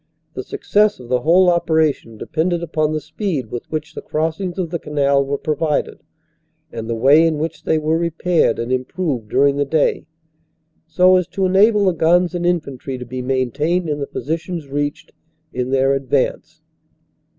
The success of the whole operation depended upon the speed with which the crossings of the canal were provided, and the way in which they were repaired and improved during the day, so as to enable the guns and infantry to be maintained in the positions reached in their advance.